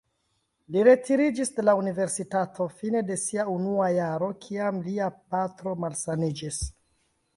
Li retiriĝis de la universitato fine de sia unua jaro, kiam lia patro malsaniĝis.